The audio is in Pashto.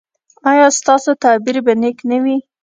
ایا ستاسو تعبیر به نیک نه وي؟